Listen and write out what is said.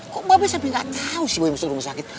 kok mbak be sampai gak tau sih boy masuk rumah sakit